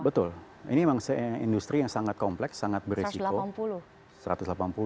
betul ini memang industri yang sangat kompleks sangat beresiko